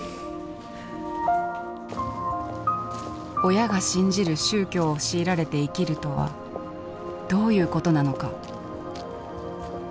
親が信じる宗教を強いられて生きるとはどういうことなのか。